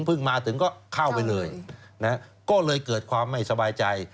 มาถึงก็เข้าไปเลยนะฮะก็เลยเกิดความไม่สบายใจ